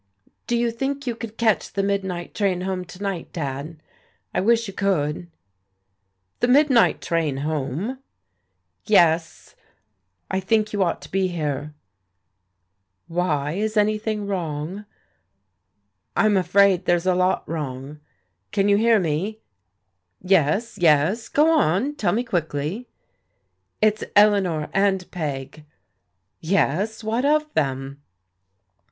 "Do you think you could catch the midnight train home to night, Dad? I wish you could." " The midnight train home !" "Yes. I think you ought to be here." " Why ? Is anything wrong ?"" I'm afraid there's a lot wrong. Can you hear me? "" Yes, yes. Go on, tell me quickly." " It's Eleanor and Peg." "Yes, what of them?"